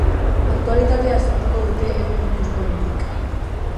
Aktualitatea aztertuko dute euren ikuspegitik.